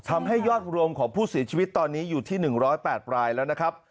ทำให้ยอดรวมของผู้เสียชีวิตตอนนี้อยู่ที่๑๐๘รายแล้วนะครับ